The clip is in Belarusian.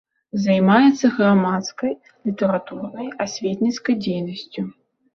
Займаецца грамадскай, літаратурнай, асветніцкай дзейнасцю.